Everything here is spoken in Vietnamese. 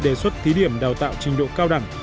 đề xuất thí điểm đào tạo trình độ cao đẳng